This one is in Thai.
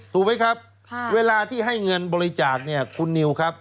ถูกไหมครับเวลาที่ให้เงินบริจาคเนี่ยคุณนิวครับ